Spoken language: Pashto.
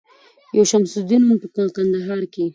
یو شمس الدین وم په کندهار کي